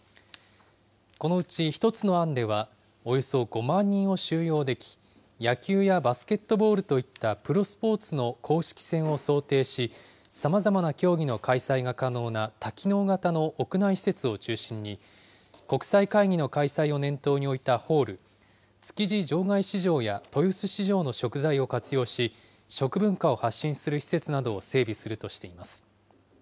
このうち一つの案では、およそ５万人を収容でき、野球やバスケットボールといったプロスポーツの公式戦を想定し、さまざまな競技の開催が可能な多機能型の屋内施設を中心に、国際会議の開催を念頭に置いたホール、築地場外市場や豊洲市場の食材を活用し、食文化を発信する施設などを整備するとしています。